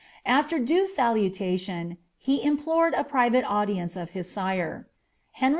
After due salutation, he im plored a private audience of his sire. Henry IV.